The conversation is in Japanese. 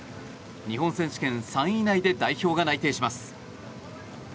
日本選手権３位以内で代表が内定します。